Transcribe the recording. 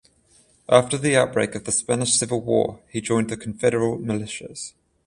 After the outbreak of the Spanish Civil War he joined the confederal militias.